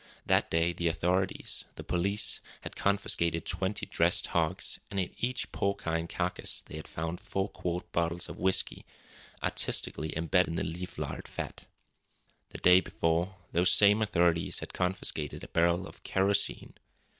That day the authorities the police had confiscated twenty dressed hogs, and in each porcine carcass they had found four quart bottles of whisky, artistically imbedded in the leaf lard fat. The day before those same authorities had confiscated a barrel of "kerosene."